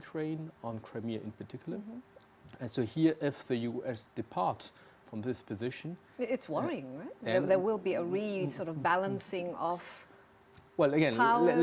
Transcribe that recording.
karena kita membutuhkannya untuk keamanan untuk keamanan global